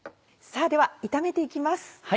では炒めて行きます。